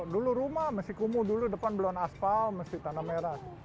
dulu rumah mesti kumuh dulu depan belon asfal mesti tanah merah